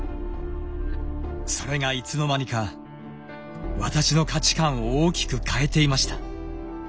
それがいつの間にか私の価値観を大きく変えていました。